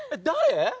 誰？